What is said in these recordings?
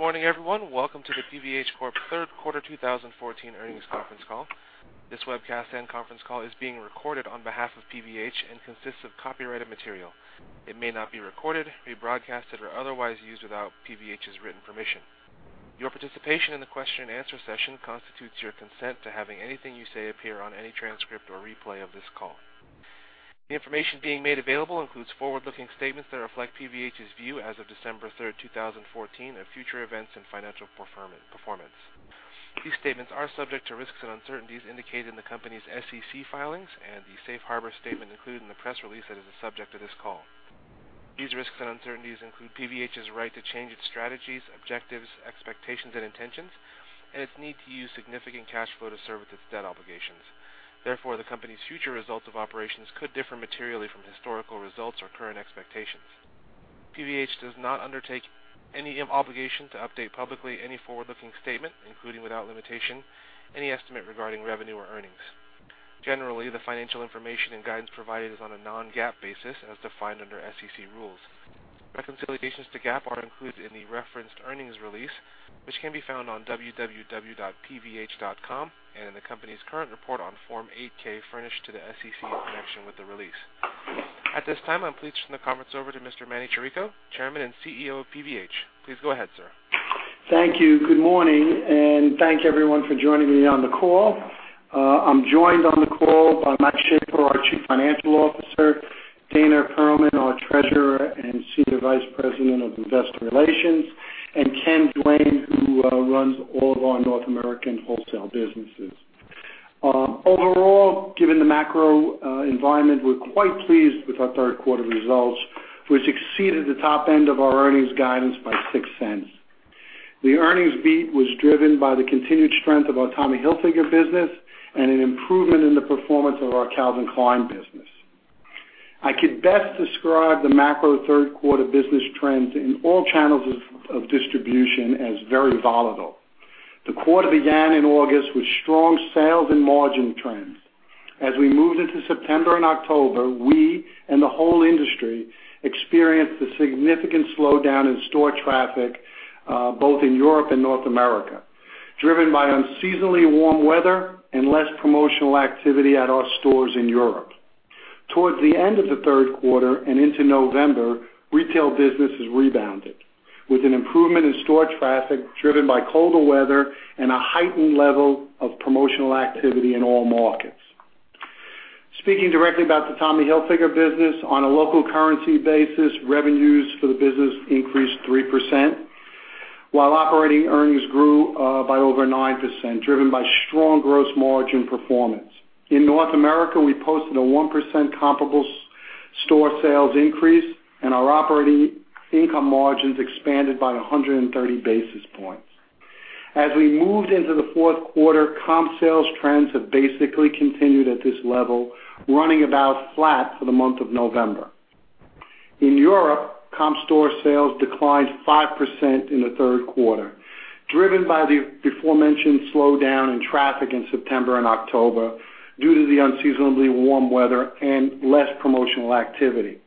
Good morning, everyone. Welcome to the PVH Corp. third quarter 2014 earnings conference call. This webcast and conference call is being recorded on behalf of PVH and consists of copyrighted material. It may not be recorded, rebroadcasted, or otherwise used without PVH's written permission. Your participation in the question and answer session constitutes your consent to having anything you say appear on any transcript or replay of this call. The information being made available includes forward-looking statements that reflect PVH's view as of December 3rd, 2014, of future events and financial performance. These statements are subject to risks and uncertainties indicated in the company's SEC filings and the safe harbor statement included in the press release that is the subject of this call. The risks and uncertainties include PVH's right to change its strategies, objectives, expectations and intentions, and its need to use significant cash flow to service its debt obligations. The company's future results of operations could differ materially from historical results or current expectations. PVH does not undertake any obligation to update publicly any forward-looking statement, including, without limitation, any estimate regarding revenue or earnings. Generally, the financial information and guidance provided is on a non-GAAP basis as defined under SEC rules. Reconciliations to GAAP are included in the referenced earnings release, which can be found on www.pvh.com and in the company's current report on Form 8-K furnished to the SEC in connection with the release. At this time, I'm pleased to turn the conference over to Mr. Manny Chirico, Chairman and Chief Executive Officer of PVH. Please go ahead, sir. Thank you. Good morning, and thank you everyone for joining me on the call. I'm joined on the call by Mike Shaffer, our Chief Financial Officer, Dana Perlman, our Treasurer and Senior Vice President of Investor Relations, and Ken Duane, who runs all of our North American wholesale businesses. Overall, given the macro environment, we're quite pleased with our third quarter results, which exceeded the top end of our earnings guidance by $0.06. The earnings beat was driven by the continued strength of our Tommy Hilfiger business and an improvement in the performance of our Calvin Klein business. I could best describe the macro third quarter business trends in all channels of distribution as very volatile. The quarter began in August with strong sales and margin trends. As we moved into September and October, we and the whole industry experienced a significant slowdown in store traffic both in Europe and North America, driven by unseasonably warm weather and less promotional activity at our stores in Europe. Towards the end of the third quarter and into November, retail business has rebounded with an improvement in store traffic driven by colder weather and a heightened level of promotional activity in all markets. Speaking directly about the Tommy Hilfiger business, on a local currency basis, revenues for the business increased 3%, while operating earnings grew by over 9%, driven by strong gross margin performance. In North America, we posted a 1% comparable store sales increase, and our operating income margins expanded by 130 basis points. As we moved into the fourth quarter, comp sales trends have basically continued at this level, running about flat for the month of November. In Europe, comp store sales declined 5% in the third quarter, driven by the before-mentioned slowdown in traffic in September and October due to the unseasonably warm weather and less promotional activity.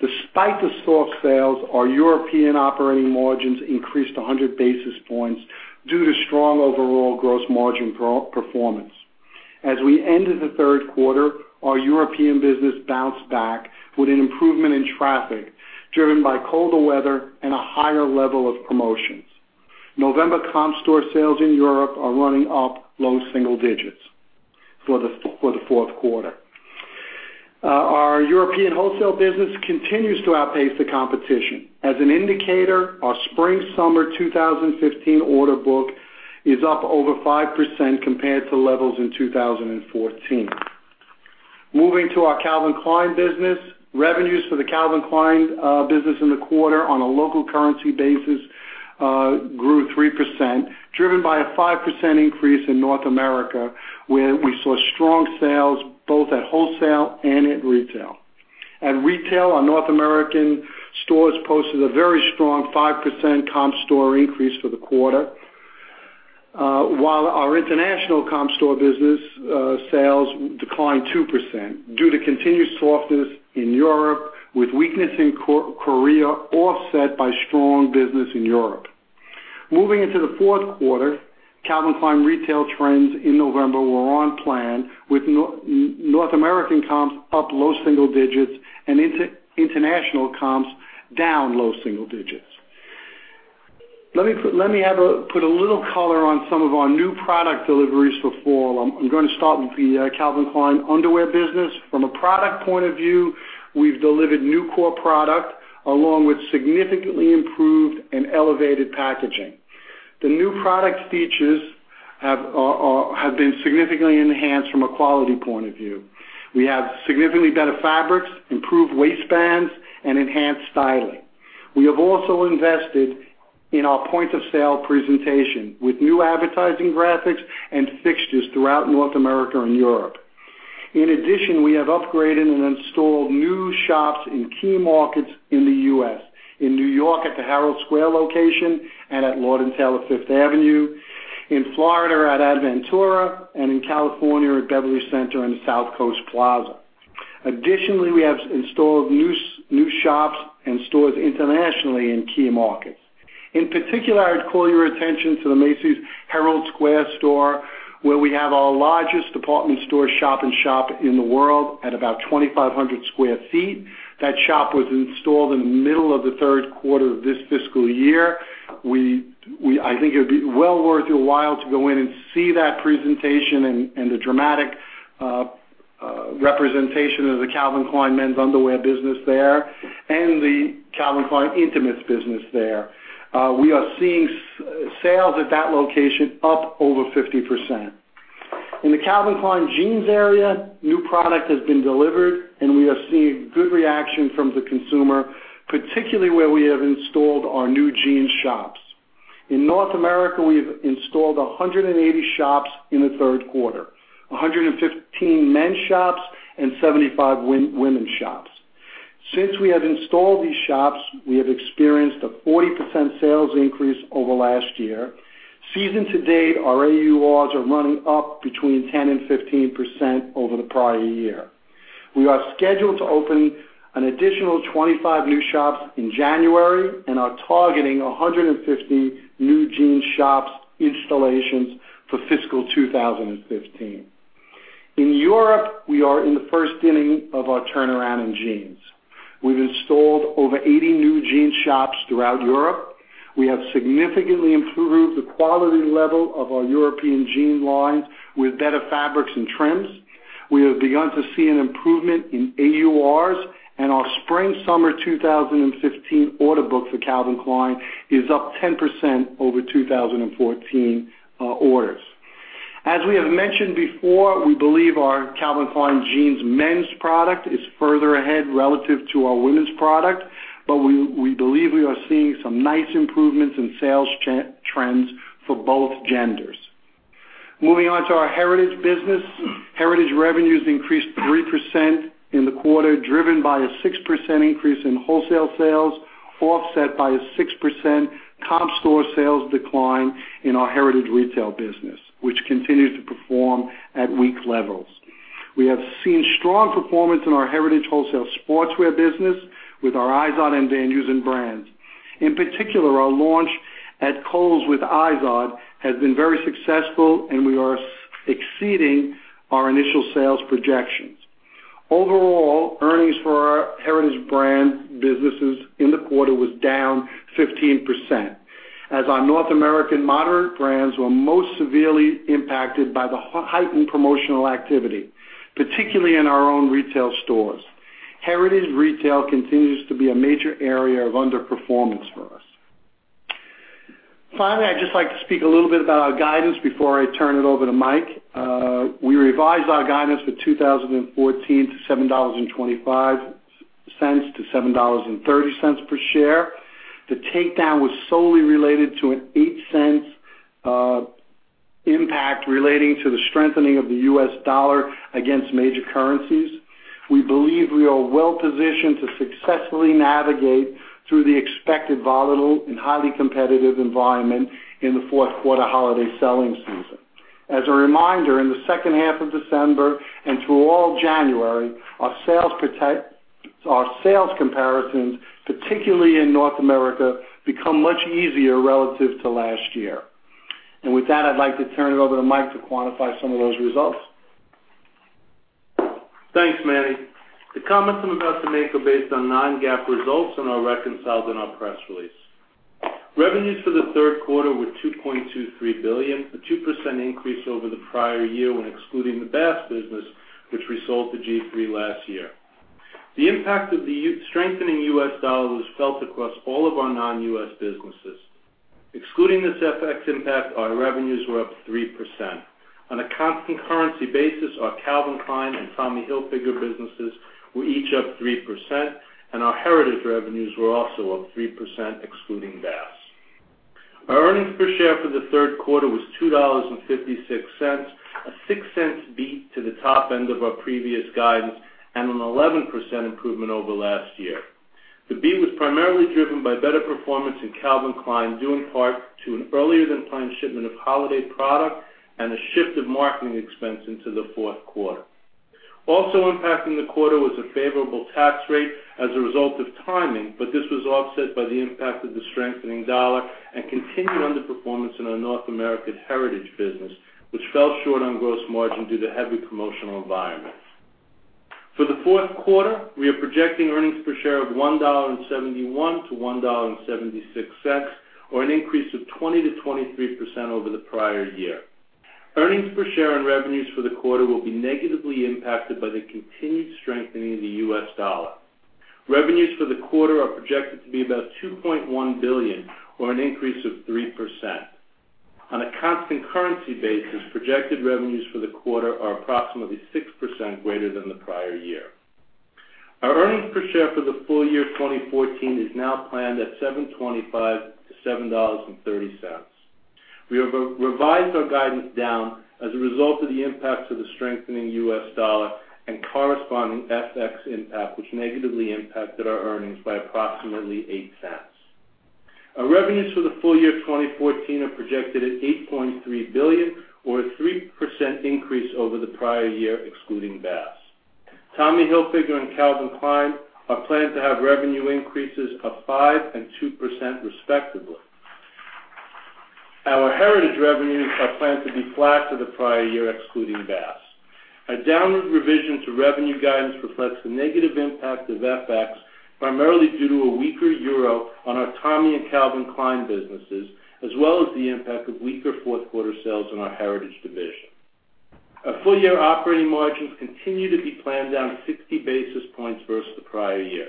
Despite the store sales, our European operating margins increased 100 basis points due to strong overall gross margin performance. As we ended the third quarter, our European business bounced back with an improvement in traffic driven by colder weather and a higher level of promotions. November comp store sales in Europe are running up low single digits for the fourth quarter. Our European wholesale business continues to outpace the competition. As an indicator, our spring-summer 2015 order book is up over 5% compared to levels in 2014. Moving to our Calvin Klein business. Revenues for the Calvin Klein business in the quarter on a local currency basis grew 3%, driven by a 5% increase in North America, where we saw strong sales both at wholesale and at retail. At retail, our North American stores posted a very strong 5% comp store increase for the quarter, while our international comp business sales declined 2% due to continued softness in Europe, with weakness in Korea offset by strong business in Europe. Moving into the fourth quarter, Calvin Klein retail trends in November were on plan with North American comps up low single digits and international comps down low single digits. Let me put a little color on some of our new product deliveries for fall. I'm going to start with the Calvin Klein underwear business. From a product point of view, we've delivered new core product along with significantly improved and elevated packaging. The new product features have been significantly enhanced from a quality point of view. We have significantly better fabrics, improved waistbands, and enhanced styling. We have also invested in our point-of-sale presentation with new advertising graphics and fixtures throughout North America and Europe. In addition, we have upgraded and installed new shops in key markets in the U.S., in New York at the Herald Square location and at Lord & Taylor, Fifth Avenue, in Florida at Aventura, and in California at Beverly Center and South Coast Plaza. Additionally, we have installed new shops and stores internationally in key markets. In particular, I would call your attention to the Macy's Herald Square store, where we have our largest department store shop-in-shop in the world at about 2,500 square feet. That shop was installed in the middle of the third quarter of this fiscal year. I think it would be well worth your while to go in and see that presentation and the dramatic representation of the Calvin Klein men's underwear business there and the Calvin Klein intimates business there. We are seeing sales at that location up over 50%. In the Calvin Klein Jeans area, new product has been delivered, and we are seeing good reaction from the consumer, particularly where we have installed our new jeans shops. In North America, we've installed 180 shops in the third quarter, 115 men shops and 75 women shops. Since we have installed these shops, we have experienced a 40% sales increase over last year. Season to date, our AURs are running up between 10% and 15% over the prior year. We are scheduled to open an additional 25 new shops in January and are targeting 150 new jeans shops installations for fiscal 2015. In Europe, we are in the first inning of our turnaround in jeans. We've installed over 80 new jeans shops throughout Europe. We have significantly improved the quality level of our European jean lines with better fabrics and trims. We have begun to see an improvement in AURs, and our spring-summer 2015 order book for Calvin Klein is up 10% over 2014 orders. As we have mentioned before, we believe our Calvin Klein Jeans men's product is further ahead relative to our women's product, but we believe we are seeing some nice improvements in sales trends for both genders. Moving on to our Heritage business. Heritage revenues increased 3% in the quarter, driven by a 6% increase in wholesale sales, offset by a 6% comp store sales decline in our Heritage retail business, which continues to perform at weak levels. We have seen strong performance in our Heritage wholesale sportswear business with our Izod and Van Heusen brands. In particular, our launch at Kohl's with Izod has been very successful, and we are exceeding our initial sales projections. Overall, earnings for our Heritage brand businesses in the quarter was down 15%, as our North American moderate brands were most severely impacted by the heightened promotional activity, particularly in our own retail stores. Heritage retail continues to be a major area of underperformance for us. Finally, I'd just like to speak a little bit about our guidance before I turn it over to Mike. We revised our guidance for 2014 to $7.25 to $7.30 per share. The takedown was solely related to an $0.08 impact relating to the strengthening of the U.S. dollar against major currencies. We believe we are well positioned to successfully navigate through the expected volatile and highly competitive environment in the fourth quarter holiday selling season. As a reminder, in the second half of December and through all of January, our sales comparisons, particularly in North America, become much easier relative to last year. With that, I'd like to turn it over to Mike to quantify some of those results. Thanks, Manny. The comments I'm about to make are based on non-GAAP results and are reconciled in our press release. Revenues for the third quarter were $2.23 billion, a 2% increase over the prior year when excluding the Bass business, which we sold to G-III last year. The impact of the strengthening U.S. dollar was felt across all of our non-U.S. businesses. Excluding this FX impact, our revenues were up 3%. On a constant currency basis, our Calvin Klein and Tommy Hilfiger businesses were each up 3%, and our Heritage revenues were also up 3%, excluding Bass. Our earnings per share for the third quarter was $2.56, a $0.06 beat to the top end of our previous guidance and an 11% improvement over last year. The beat was primarily driven by better performance in Calvin Klein, due in part to an earlier-than-planned shipment of holiday product and a shift of marketing expense into the fourth quarter. Also impacting the quarter was a favorable tax rate as a result of timing, but this was offset by the impact of the strengthening U.S. dollar and continued underperformance in our North American Heritage Business, which fell short on gross margin due to heavy promotional environment. For the fourth quarter, we are projecting earnings per share of $1.71-$1.76, or an increase of 20%-23% over the prior year. Earnings per share and revenues for the quarter will be negatively impacted by the continued strengthening of the U.S. dollar. Revenues for the quarter are projected to be about $2.1 billion, or an increase of 3%. On a constant currency basis, projected revenues for the quarter are approximately 6% greater than the prior year. Our earnings per share for the full year 2014 is now planned at $7.25-$7.30. We have revised our guidance down as a result of the impacts of the strengthening U.S. dollar and corresponding FX impact, which negatively impacted our earnings by approximately $0.08. Our revenues for the full year 2014 are projected at $8.3 billion, or a 3% increase over the prior year, excluding Bass. Tommy Hilfiger and Calvin Klein are planned to have revenue increases of 5% and 2% respectively. Our Heritage revenues are planned to be flat to the prior year, excluding Bass. A downward revision to revenue guidance reflects the negative impact of FX, primarily due to a weaker euro on our Tommy Hilfiger and Calvin Klein businesses, as well as the impact of weaker fourth quarter sales in our Heritage division. Our full-year operating margins continue to be planned down 60 basis points versus the prior year.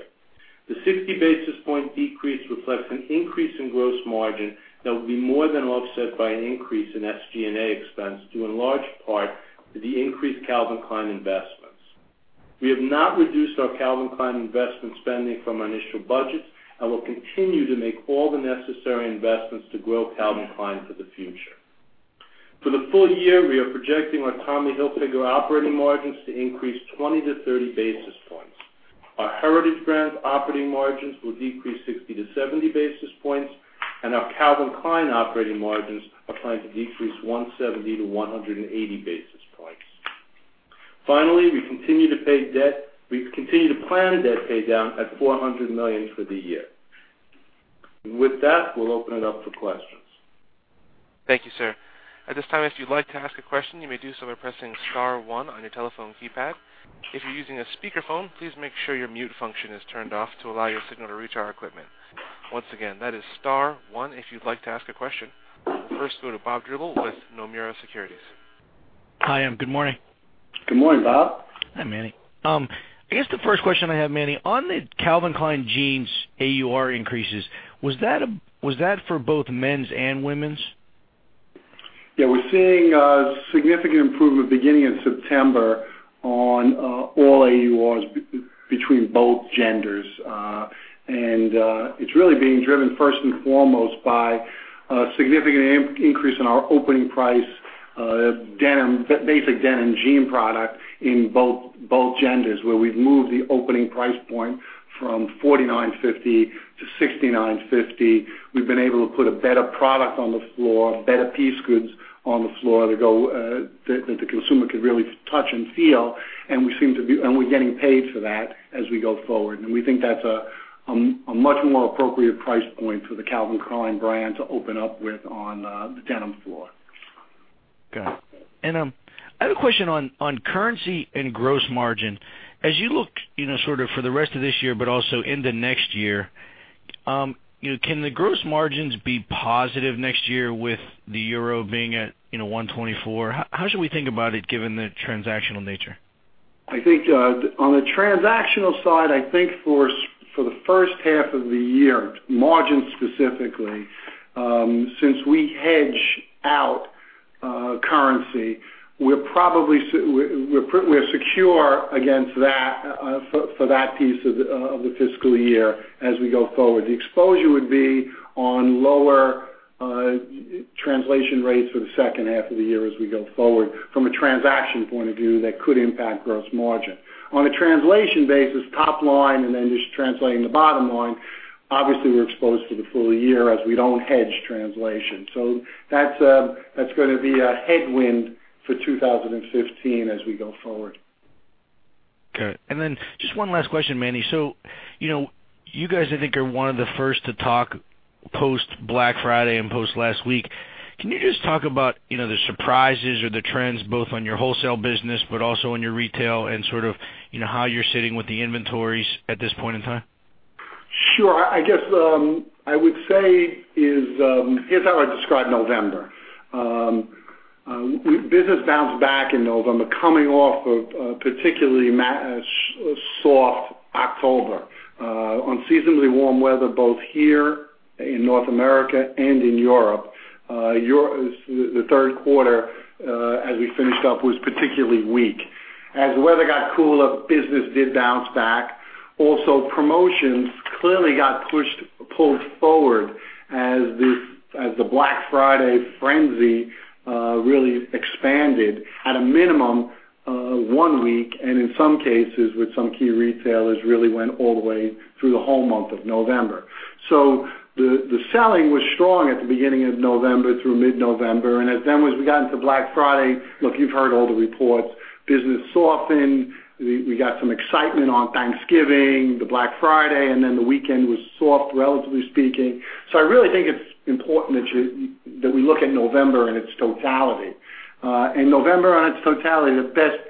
The 60 basis point decrease reflects an increase in gross margin that will be more than offset by an increase in SG&A expense due in large part to the increased Calvin Klein investments. We have not reduced our Calvin Klein investment spending from our initial budget and will continue to make all the necessary investments to grow Calvin Klein for the future. For the full year, we are projecting our Tommy Hilfiger operating margins to increase 20-30 basis points. Our Heritage Brands operating margins will decrease 60-70 basis points, and our Calvin Klein operating margins are planned to decrease 170-180 basis points. Finally, we continue to plan debt paydown at $400 million for the year. With that, we'll open it up for questions. Thank you, sir. At this time, if you'd like to ask a question, you may do so by pressing *1 on your telephone keypad. If you're using a speakerphone, please make sure your mute function is turned off to allow your signal to reach our equipment. Once again, that is *1 if you'd like to ask a question. We'll first go to Robert Drbul with Nomura Securities. Hi, good morning. Good morning, Bob. Hi, Manny. I guess the first question I have, Manny, on the Calvin Klein Jeans AUR increases, was that for both men's and women's? We're seeing a significant improvement beginning in September on all AURs between both genders. It's really being driven first and foremost by a significant increase in our opening price basic denim jean product in both genders, where we've moved the opening price point from $49.50 to $69.50. We've been able to put a better product on the floor, better piece goods on the floor that the consumer could really touch and feel, and we're getting paid for that as we go forward. We think that's a much more appropriate price point for the Calvin Klein brand to open up with on the denim floor. Got it. I have a question on currency and gross margin. As you look sort of for the rest of this year, but also into next year, can the gross margins be positive next year with the EUR being at 1.24? How should we think about it given the transactional nature? On the transactional side, I think for the first half of the year, margin specifically, since we hedge out currency, we're secure against that for that piece of the fiscal year as we go forward. The exposure would be on lower translation rates for the second half of the year as we go forward. From a transaction point of view, that could impact gross margin. On a translation basis, top line and then just translating the bottom line, obviously, we're exposed for the full year as we don't hedge translation. That's going to be a headwind for 2015 as we go forward. Just one last question, Manny. You guys, I think, are one of the first to talk post-Black Friday and post last week. Can you just talk about the surprises or the trends both on your wholesale business but also on your retail and sort of how you're sitting with the inventories at this point in time? Sure. I guess I would say, here's how I describe November. Business bounced back in November, coming off of a particularly soft October. Unseasonably warm weather both here in North America and in Europe. The third quarter, as we finished up, was particularly weak. As the weather got cooler, business did bounce back. Promotions clearly got pulled forward as the Black Friday frenzy really expanded at a minimum one week, and in some cases with some key retailers, really went all the way through the whole month of November. The selling was strong at the beginning of November through mid-November, and as we got into Black Friday, look, you've heard all the reports. Business softened. We got some excitement on Thanksgiving, Black Friday, and the weekend was soft, relatively speaking. I really think it's important that we look at November in its totality. November on its totality, the best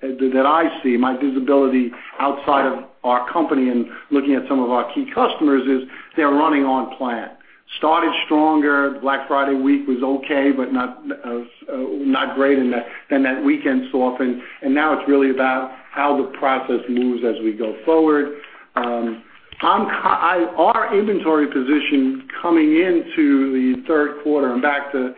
that I see, my visibility outside of our company and looking at some of our key customers is they're running on plan. Started stronger. Black Friday week was okay, but not great, and that weekend softened, now it's really about how the process moves as we go forward. Our inventory position coming into the third quarter and back to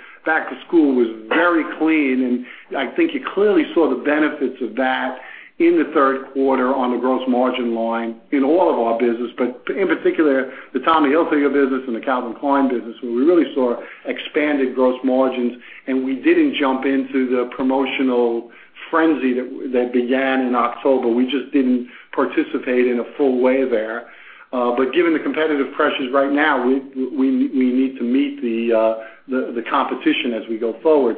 school was very clean, and I think you clearly saw the benefits of that in the third quarter on the gross margin line in all of our business. In particular, the Tommy Hilfiger business and the Calvin Klein business, where we really saw expanded gross margins, and we didn't jump into the promotional frenzy that began in October. We just didn't participate in a full way there. Given the competitive pressures right now, we need to meet the competition as we go forward.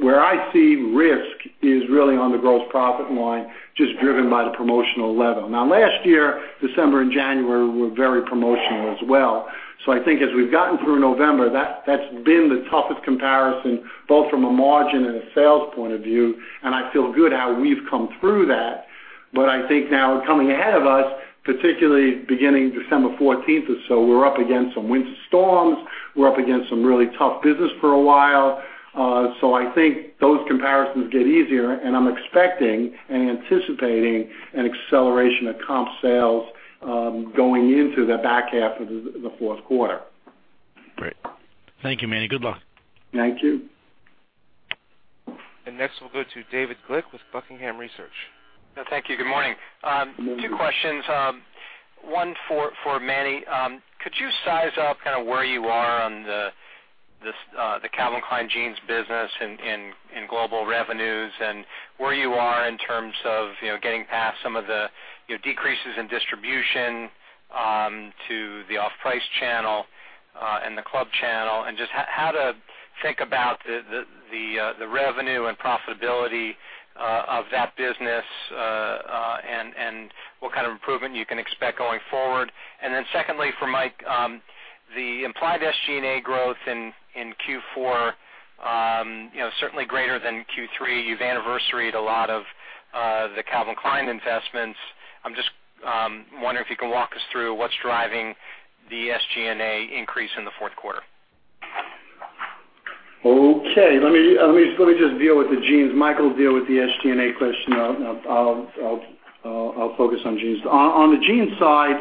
Where I see risk is really on the gross profit line, just driven by the promotional level. Now, last year, December and January were very promotional as well. I think as we've gotten through November, that's been the toughest comparison, both from a margin and a sales point of view, and I feel good how we've come through that. I think now coming ahead of us, particularly beginning December 14th or so, we're up against some winter storms, we're up against some really tough business for a while. I think those comparisons get easier, and I'm expecting and anticipating an acceleration of comp sales going into the back half of the fourth quarter. Great. Thank you, Manny. Good luck. Thank you. Next, we'll go to David Glick with Buckingham Research. Thank you. Good morning. Good morning. Two questions. One for Manny. Could you size up kind of where you are on the Calvin Klein Jeans business in global revenues and where you are in terms of getting past some of the decreases in distribution to the off-price channel and the club channel, and just how to think about the revenue and profitability of that business, and what kind of improvement you can expect going forward? Secondly, for Mike, the implied SG&A growth in Q4, certainly greater than Q3. You've anniversaried a lot of the Calvin Klein investments. I'm just wondering if you can walk us through what's driving the SG&A increase in the fourth quarter. Okay. Let me just deal with the jeans. Michael will deal with the SG&A question. I'll focus on jeans. On the jeans side,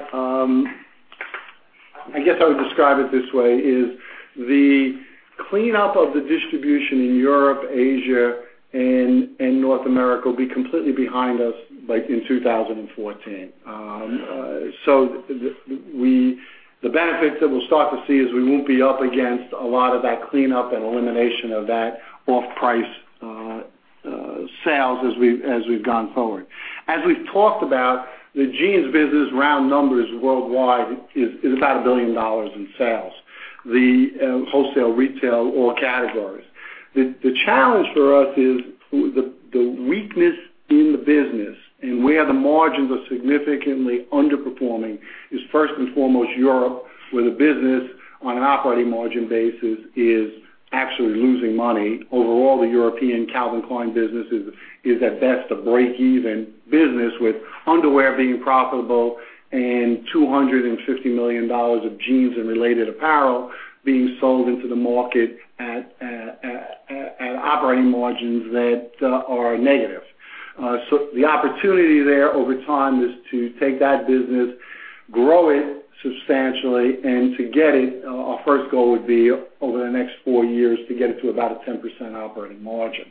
I guess I would describe it this way, is the cleanup of the distribution in Europe, Asia, and North America will be completely behind us by 2014. The benefits that we'll start to see is we won't be up against a lot of that cleanup and elimination of that off-price sales as we've gone forward. As we've talked about, the jeans business, round numbers worldwide is about $1 billion in sales, the wholesale, retail, all categories. The challenge for us is the weakness in the business, and where the margins are significantly underperforming is first and foremost Europe, where the business on an operating margin basis is actually losing money. Overall, the European Calvin Klein business is at best a break-even business with underwear being profitable and $250 million of jeans and related apparel being sold into the market at operating margins that are negative. The opportunity there over time is to take that business, grow it substantially, and to get it, our first goal would be over the next four years to get it to about a 10% operating margin.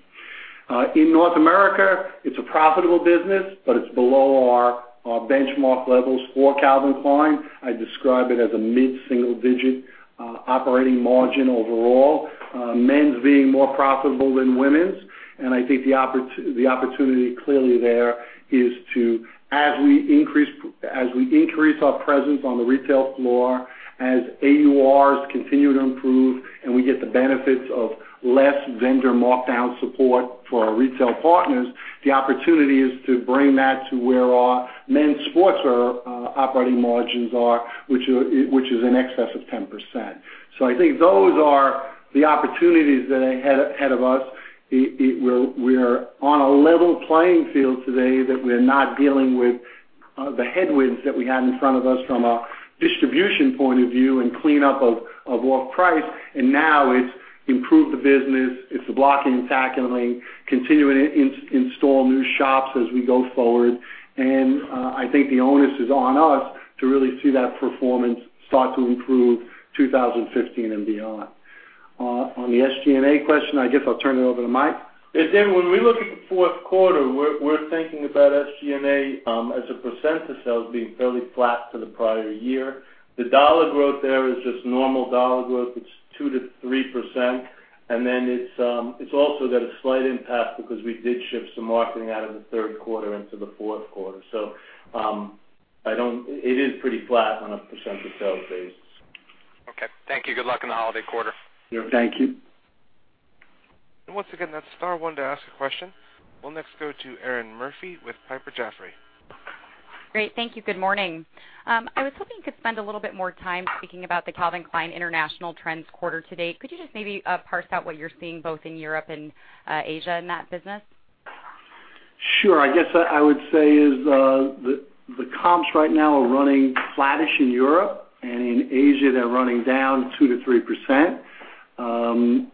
In North America, it's a profitable business, but it's below our benchmark levels for Calvin Klein. I describe it as a mid-single-digit operating margin overall. Men's being more profitable than women's. I think the opportunity clearly there is to, as we increase our presence on the retail floor, as AURs continue to improve and we get the benefits of less vendor markdown support for our retail partners, the opportunity is to bring that to where our men's sportswear operating margins are, which is in excess of 10%. I think those are the opportunities that are ahead of us. We're on a level playing field today that we're not dealing with the headwinds that we had in front of us from a distribution point of view and clean up of off-price. Now it's improve the business, it's the blocking and tackling, continuing to install new shops as we go forward. I think the onus is on us to really see that performance start to improve 2015 and beyond. On the SG&A question, I guess I'll turn it over to Mike. Yeah, David, when we look at fourth quarter, we're thinking about SG&A as a percentage of sales being fairly flat to the prior year. The dollar growth there is just normal dollar growth. It's 2%-3%, and then it's also got a slight impact because we did shift some marketing out of the third quarter into the fourth quarter. It is pretty flat on a % sales basis. Okay. Thank you. Good luck in the holiday quarter. Thank you. Once again, that's star one to ask a question. We'll next go to Erinn Murphy with Piper Jaffray. Great. Thank you. Good morning. I was hoping you could spend a little bit more time speaking about the Calvin Klein international trends quarter to date. Could you just maybe parse out what you're seeing both in Europe and Asia in that business? Sure. I guess I would say is the comps right now are running flattish in Europe. In Asia, they're running down 2%-3%.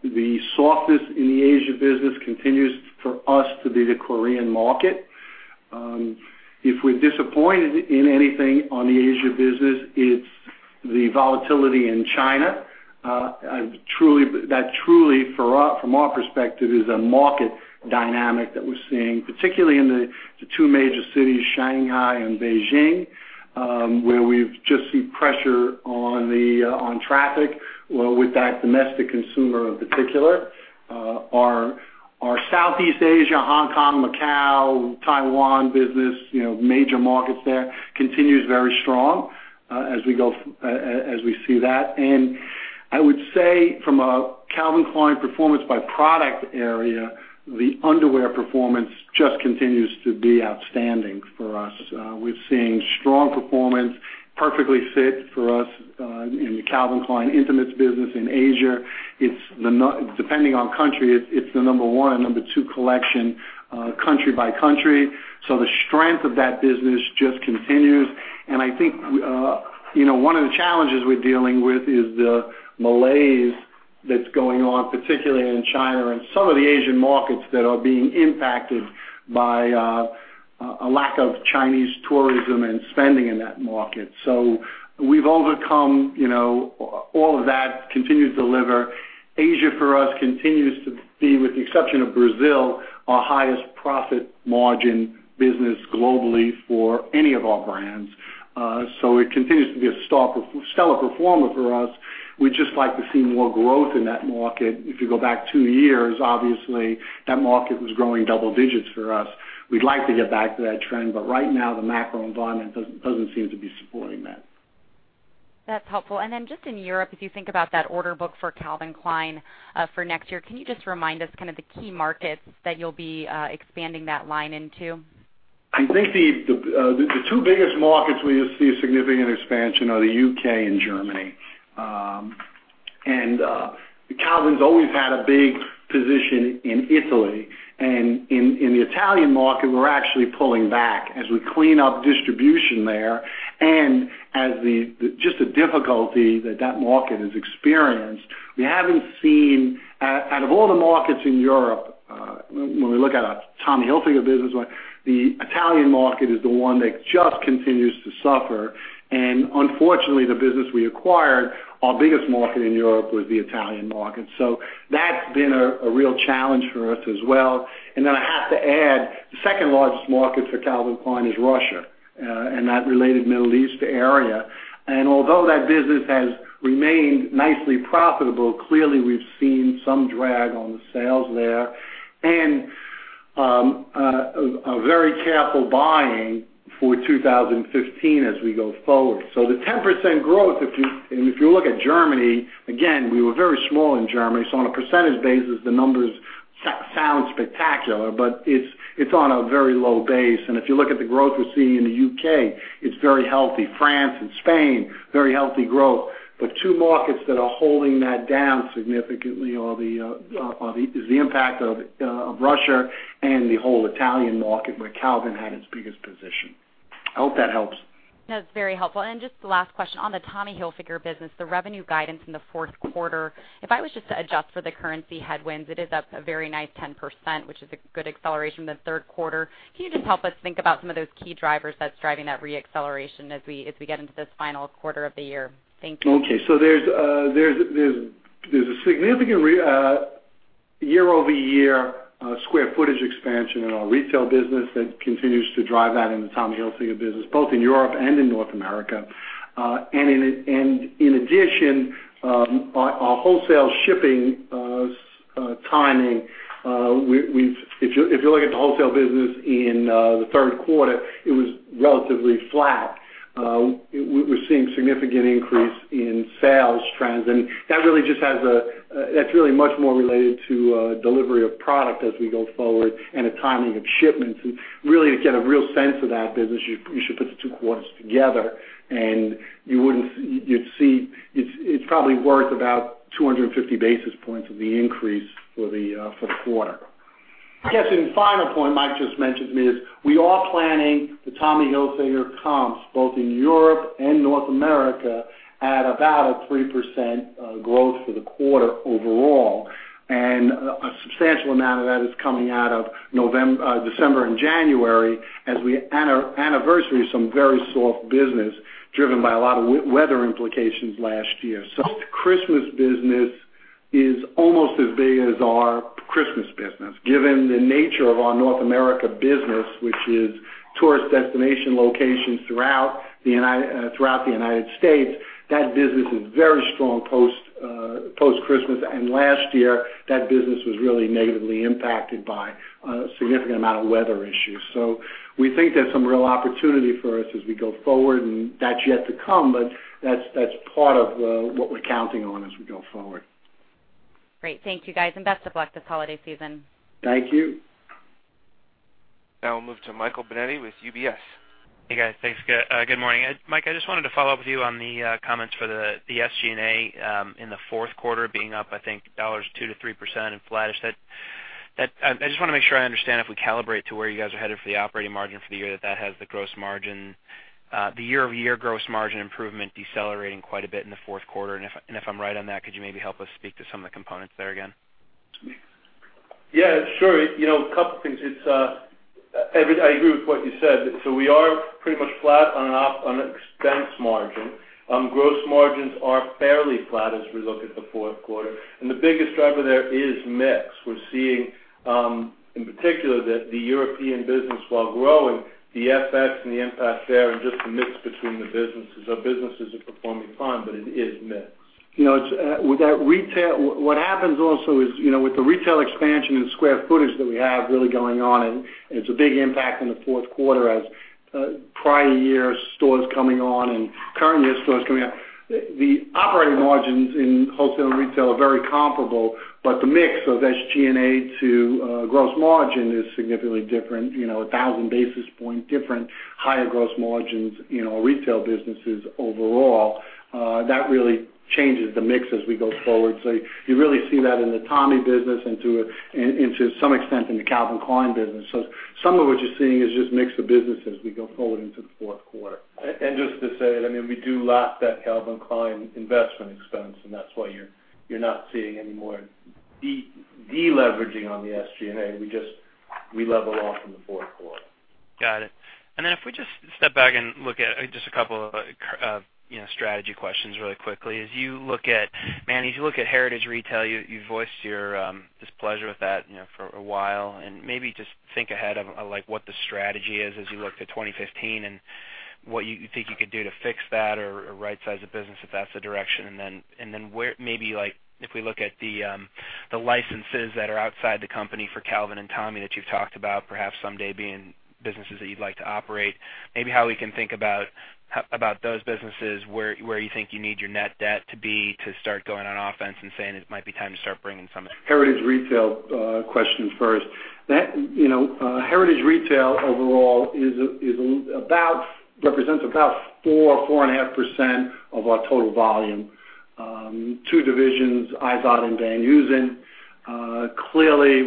The softness in the Asia business continues for us to be the Korean market. If we're disappointed in anything on the Asia business, it's the volatility in China. That truly from our perspective, is a market dynamic that we're seeing, particularly in the two major cities, Shanghai and Beijing, where we've just seen pressure on traffic with that domestic consumer in particular. Our Southeast Asia, Hong Kong, Macau Taiwan business, major markets there continues very strong as we see that. I would say from a Calvin Klein performance by product area, the underwear performance just continues to be outstanding for us. We're seeing strong performance perfectly sit for us in the Calvin Klein Underwear business in Asia. Depending on country, it's the number one, number two collection country by country. The strength of that business just continues. I think one of the challenges we're dealing with is the malaise that's going on, particularly in China and some of the Asian markets that are being impacted by a lack of Chinese tourism and spending in that market. We've overcome all of that, continue to deliver. Asia for us continues to be, with the exception of Brazil, our highest profit margin business globally for any of our brands. It continues to be a stellar performer for us. We'd just like to see more growth in that market. If you go back two years, obviously, that market was growing double digits for us. We'd like to get back to that trend, right now the macro environment doesn't seem to be supporting that. That's helpful. Just in Europe, if you think about that order book for Calvin Klein for next year, can you just remind us the key markets that you'll be expanding that line into? I think the two biggest markets where you'll see a significant expansion are the U.K. and Germany. Calvin's always had a big position in Italy, and in the Italian market, we're actually pulling back as we clean up distribution there and as just the difficulty that market has experienced. Out of all the markets in Europe, when we look at our Tommy Hilfiger business, the Italian market is the one that just continues to suffer. Unfortunately, the business we acquired, our biggest market in Europe was the Italian market. That's been a real challenge for us as well. I have to add, the second largest market for Calvin Klein is Russia and that related Middle East area. Although that business has remained nicely profitable, clearly we've seen some drag on the sales there and a very careful buying for 2015 as we go forward. The 10% growth, if you look at Germany, again, we were very small in Germany. On a percentage basis, the numbers sound spectacular, but it's on a very low base. If you look at the growth we're seeing in the U.K., it's very healthy. France and Spain, very healthy growth. Two markets that are holding that down significantly is the impact of Russia and the whole Italian market where Calvin had his biggest position. I hope that helps. That's very helpful. Just the last question. On the Tommy Hilfiger business, the revenue guidance in the fourth quarter, if I was just to adjust for the currency headwinds, it is up a very nice 10%, which is a good acceleration in the third quarter. Can you just help us think about some of those key drivers that's driving that re-acceleration as we get into this final quarter of the year? Thank you. There's a significant year-over-year square footage expansion in our retail business that continues to drive that in the Tommy Hilfiger business, both in Europe and in North America. In addition, our wholesale shipping timing, if you look at the wholesale business in the third quarter, it was relatively flat. We're seeing significant increase in sales trends, that's really much more related to delivery of product as we go forward and the timing of shipments. Really, to get a real sense of that business, you should put the two quarters together and you'd see it's probably worth about 250 basis points of the increase for the quarter. I guess the final point Mike just mentioned to me is we are planning the Tommy Hilfiger comps both in Europe and North America at about a 3% growth for the quarter overall. A substantial amount of that is coming out of December and January as we anniversary some very soft business driven by a lot of weather implications last year. Post-Christmas business is almost as big as our Christmas business, given the nature of our North America business, which is tourist destination locations throughout the U.S. That business is very strong post-Christmas, last year, that business was really negatively impacted by a significant amount of weather issues. We think there's some real opportunity for us as we go forward, and that's yet to come, but that's part of what we're counting on as we go forward. Great. Thank you, guys, and best of luck this holiday season. Thank you. Now we'll move to Michael Binetti with UBS. Hey, guys. Thanks. Good morning. Mike, I just wanted to follow up with you on the comments for the SG&A in the fourth quarter being up, I think, dollars 2%-3% and flattish. I just want to make sure I understand if we calibrate to where you guys are headed for the operating margin for the year, that that has the year-over-year gross margin improvement decelerating quite a bit in the fourth quarter. If I'm right on that, could you maybe help us speak to some of the components there again? Yeah, sure. A couple things. I agree with what you said. We are pretty much flat on an expense margin. Gross margins are fairly flat as we look at the fourth quarter. The biggest driver there is mix. We're seeing, in particular, that the European business, while growing, the FX and the impact there and just the mix between the businesses. Our businesses are performing fine, it is mix. With that retail, what happens also is with the retail expansion and square footage that we have really going on. It's a big impact in the fourth quarter as prior year stores coming on and current year stores coming on. The operating margins in wholesale and retail are very comparable, the mix of SG&A to gross margin is significantly different. 1,000 basis points different, higher gross margins, retail businesses overall. That really changes the mix as we go forward. You really see that in the Tommy business and to some extent in the Calvin Klein business. Some of what you're seeing is just mix of businesses as we go forward into the fourth quarter. Just to say it, we do lap that Calvin Klein investment expense, and that's why you're not seeing any more de-leveraging on the SG&A. We level off in the fourth quarter. Got it. If we just step back and look at just a couple of strategy questions really quickly. Manny, as you look at Heritage Retail, you've voiced your displeasure with that for a while. Maybe just think ahead of what the strategy is as you look to 2015 and what you think you could do to fix that or rightsize the business if that's the direction. Then maybe if we look at the licenses that are outside the company for Calvin and Tommy that you've talked about, perhaps someday being businesses that you'd like to operate, maybe how we can think about those businesses, where you think you need your net debt to be to start going on offense and saying it might be time to start bringing some in. Heritage Retail question first. Heritage Retail overall represents about 4%-4.5% of our total volume. Two divisions, Izod and Van Heusen. Clearly,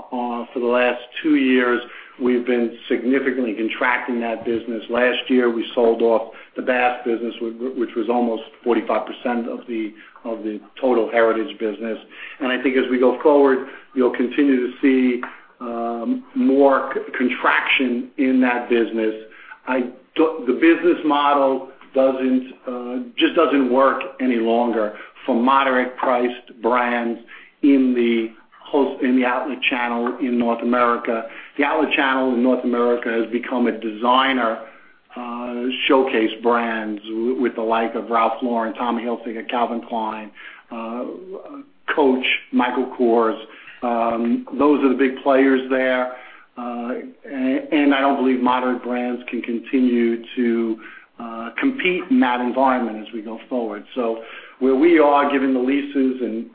for the last two years, we've been significantly contracting that business. Last year, we sold off the Bass business, which was almost 45% of the total Heritage business. I think as we go forward, you'll continue to see more contraction in that business. The business model just doesn't work any longer for moderate priced brands in the outlet channel in North America. The outlet channel in North America has become a designer showcase brands with the like of Ralph Lauren, Tommy Hilfiger, Calvin Klein, Coach, Michael Kors. Those are the big players there. I don't believe moderate brands can continue to compete in that environment as we go forward. Where we are, given the leases and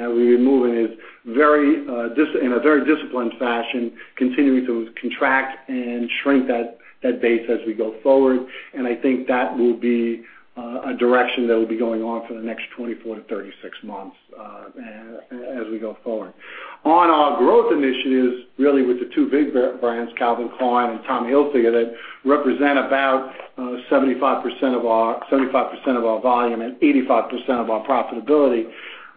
that we're removing is in a very disciplined fashion, continuing to contract and shrink that base as we go forward. I think that will be a direction that will be going on for the next 24-36 months as we go forward. On our growth initiatives, really with the two big brands, Calvin Klein and Tommy Hilfiger, that represent about 75% of our volume and 85% of our profitability.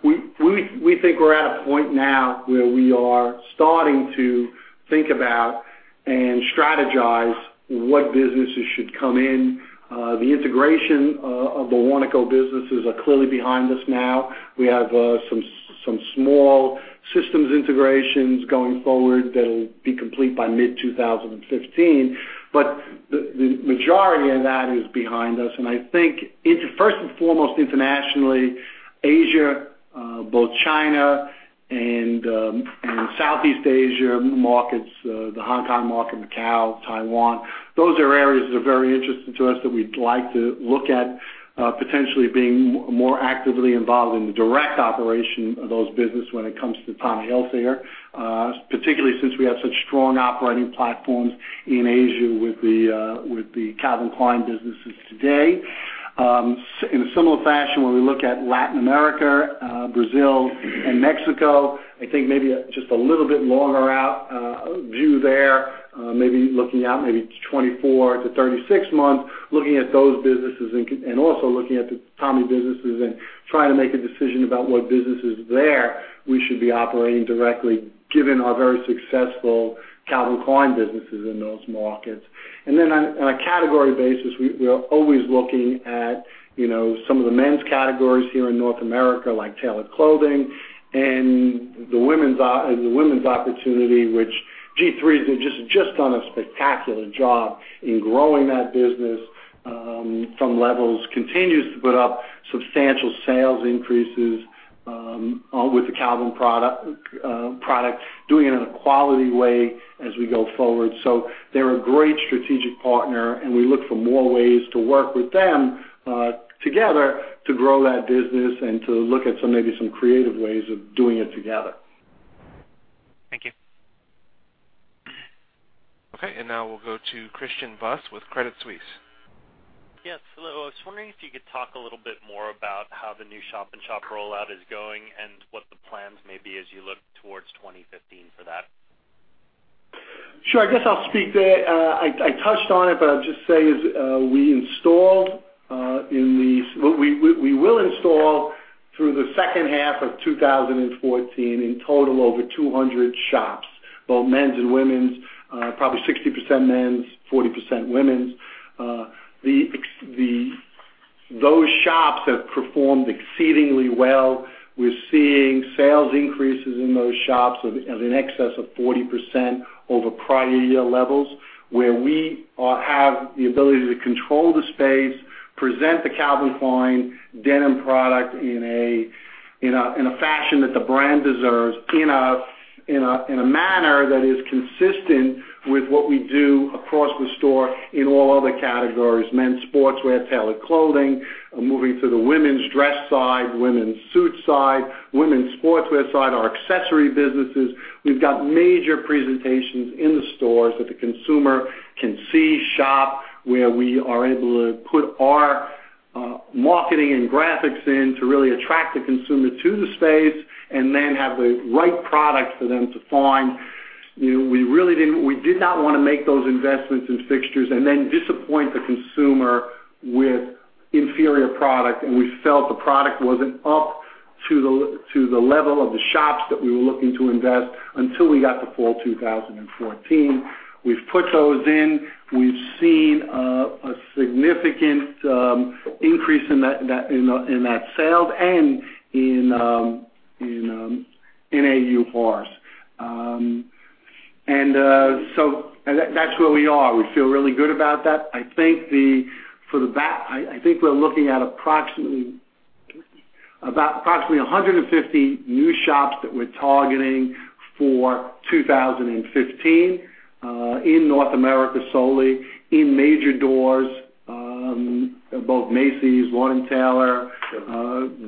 We think we're at a point now where we are starting to think about and strategize what businesses should come in. The integration of the Warnaco businesses are clearly behind us now. We have some small systems integrations going forward that'll be complete by mid-2015. The majority of that is behind us. I think it's first and foremost internationally, Asia, both China and Southeast Asia markets, the Hong Kong market, Macau, Taiwan. Those are areas that are very interesting to us that we'd like to look at potentially being more actively involved in the direct operation of those business when it comes to Tommy Hilfiger. Particularly since we have such strong operating platforms in Asia with the Calvin Klein businesses today. In a similar fashion, when we look at Latin America, Brazil and Mexico, I think maybe just a little bit longer out view there. Looking out maybe 24 to 36 months, looking at those businesses and also looking at the Tommy businesses and trying to make a decision about what businesses there we should be operating directly, given our very successful Calvin Klein businesses in those markets. On a category basis, we are always looking at some of the men's categories here in North America, like tailored clothing and the women's opportunity, which G-III has just done a spectacular job in growing that business from levels. Continues to put up substantial sales increases with the Calvin product, doing it in a quality way as we go forward. They're a great strategic partner. We look for more ways to work with them together to grow that business and to look at maybe some creative ways of doing it together. Thank you. Now we'll go to Christian Buss with Credit Suisse. Yes, hello. I was wondering if you could talk a little bit more about how the new shop-in-shop rollout is going and what the plans may be as you look towards 2015 for that. Sure. I guess I'll speak there. I touched on it, but I'll just say is we will install through the second half of 2014, in total, over 200 shops, both men's and women's. Probably 60% men's, 40% women's. Those shops have performed exceedingly well. We're seeing sales increases in those shops of an excess of 40% over prior year levels, where we have the ability to control the space, present the Calvin Klein denim product in a fashion that the brand deserves, in a manner that is consistent with what we do across the store in all other categories. Men's sportswear, tailored clothing, moving to the women's dress side, women's suit side, women's sportswear side, our accessory businesses. We've got major presentations in the stores that the consumer can see, shop, where we are able to put our marketing and graphics in to really attract the consumer to the space, and then have the right product for them to find. We did not want to make those investments in fixtures and then disappoint the consumer with inferior product, and we felt the product wasn't up to the level of the shops that we were looking to invest until we got to fall 2014. We've put those in. We've seen a significant increase in that sales and in AURs. That's where we are. We feel really good about that. I think we're looking at approximately 150 new shops that we're targeting for 2015, in North America solely, in major doors. Both Macy's, Lord & Taylor,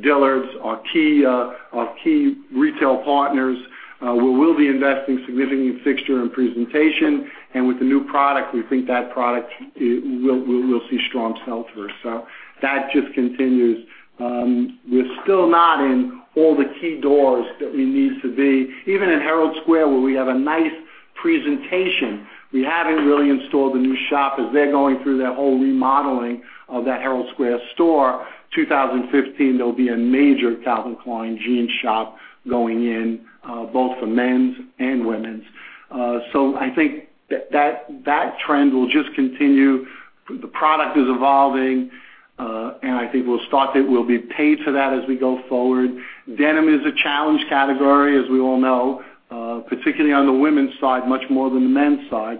Dillard's are key retail partners, where we'll be investing significantly in fixture and presentation. With the new product, we think that product will see strong sell-throughs. That just continues. We're still not in all the key doors that we need to be. Even in Herald Square, where we have a nice presentation, we haven't really installed the new shop as they're going through that whole remodeling of that Herald Square store. 2015, there'll be a major Calvin Klein jean shop going in, both for men's and women's. I think that trend will just continue. The product is evolving. I think we'll be paid for that as we go forward. Denim is a challenge category, as we all know, particularly on the women's side, much more than the men's side.